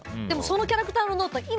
でもそのキャラクターのノート